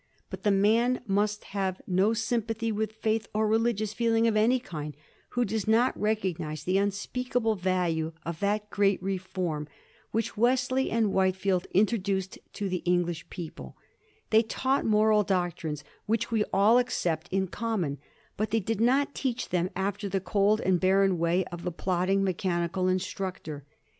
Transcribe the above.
But the man must have no sympathy with faith or religious feeling of any kind who does not recognize the unspeakable value of that great reform which Wesley and Whitefield introduced to the English people, l^hey taught moral doctrines which we all accept in common, but they did not teach them after the cold and barren way of the plodding, mechanical instructor.